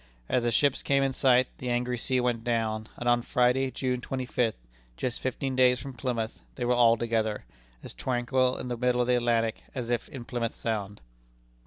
As the ships came in sight, the angry sea went down; and on Friday, June twenty fifth, just fifteen days from Plymouth, they were all together, as tranquil in the middle of the Atlantic as if in Plymouth Sound.